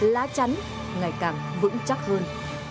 lá chắn ngày càng vững chắc hơn